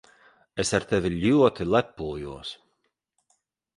Es ar tevi ļoti lepojos.